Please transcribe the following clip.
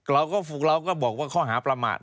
เราก็ฝึกเราก็บอกว่าข้อหาประมาท